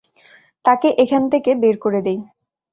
তাকে এখান থেকে বের করে দেই।